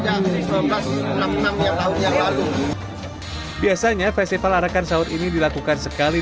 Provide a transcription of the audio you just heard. aksi seribu sembilan ratus enam puluh enam yang tahun yang lalu biasanya festival arakan sahur ini dilakukan sekali